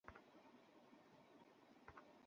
Peter পার্কারগিরি করার পরে আর সময় পাই না।